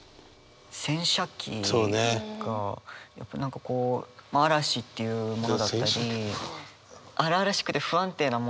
「洗車機」がやっぱ何かこう「嵐」っていうものだったり荒々しくて不安定なもの。